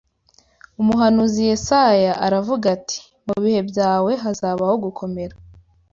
Umuhanuzi Yesaya aravuga ati: «Mu bihe byawe hazabaho gukomera